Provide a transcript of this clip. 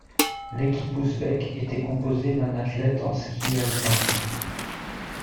L'équipe ouzbèque était composée d'un athlète en ski alpin.